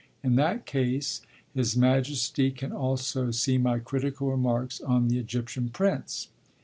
'In that case, His Majesty can also see my critical remarks on the Egyptian prints.'